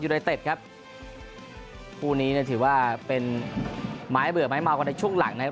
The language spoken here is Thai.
ไนเต็ดครับคู่นี้เนี่ยถือว่าเป็นไม้เบื่อไม้เมากันในช่วงหลังนะครับ